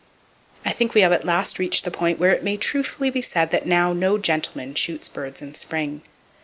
I think we have at last reached the point where it may truthfully be said that now no gentleman shoots birds in spring.